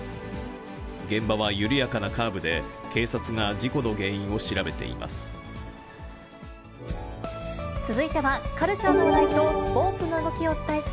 現場は緩やかなカーブで、警察が事故の原因を調べています。